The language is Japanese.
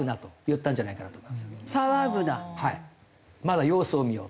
まだ様子を見ようと。